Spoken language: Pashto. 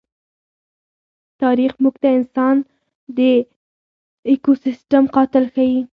تاریخ موږ ته انسان د ایکوسېسټم قاتل ښيي.